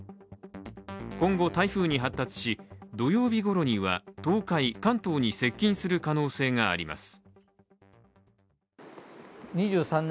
今後、台風に発達し、土曜日ごろには東海、関東に接近する可能性があります。